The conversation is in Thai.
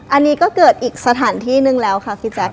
อันนี้ก็เกิดอีกสถานที่นึงแล้วค่ะพี่แจ๊ค